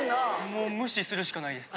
もう無視するしかないです。